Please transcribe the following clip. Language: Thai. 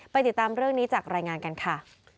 ติดตามเรื่องนี้จากรายงานกันค่ะ